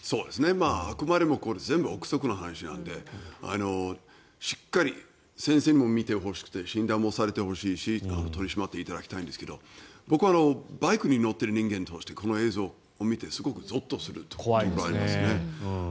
あくまでも全部、臆測の話なのでしっかり先生にも診てほしくて診断もされてほしいし取り締まっていただきたいんですが僕はバイクに乗っている人間としてこの映像を見てすごくぞっとするというところがありますね。